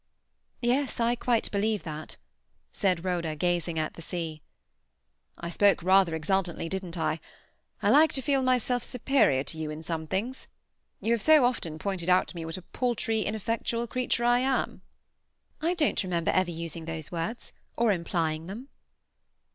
"Yes, I quite believe that," said Rhoda, gazing at the sea. "I spoke rather exultantly, didn't I? I like to feel myself superior to you in some things. You have so often pointed out to me what a paltry, ineffectual creature I am." "I don't remember ever using those words, or implying them."